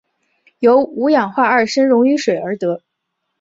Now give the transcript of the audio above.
由五氧化二砷溶于水而得。